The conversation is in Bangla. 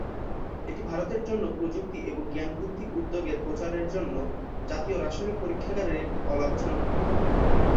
এটি ভারতের জন্য প্রযুক্তি এবং জ্ঞান-ভিত্তিক উদ্যোগের প্রচারের জন্য জাতীয় রাসায়নিক পরীক্ষাগার এর একটি অলাভজনক উদ্যোগ।